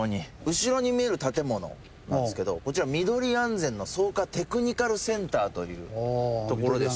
後ろに見える建物なんですけどこちらミドリ安全の草加テクニカルセンターという所でして。